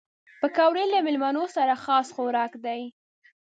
پکورې له مېلمنو سره خاص خوراک دي